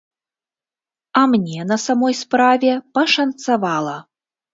А мне, на самой справе, пашанцавала.